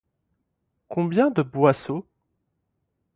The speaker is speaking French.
Combien de boisseaux?